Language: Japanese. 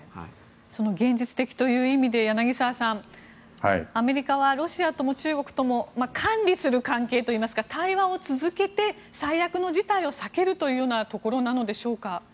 その現実的という意味で柳澤さんアメリカはロシアとも中国とも管理する関係といいますか対話を続けて最悪の事態を避けるというところなのでしょうか。